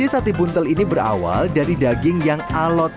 sate buntel ini berawal dari daging yang alot